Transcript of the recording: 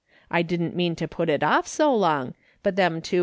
I didn't mean to put it off so long, but them two was 2IO MRS.